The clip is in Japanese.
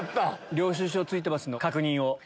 領収書ついてますんで確認を。